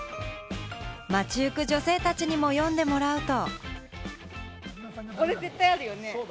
街ゆく女性たちにも読んでもらうと。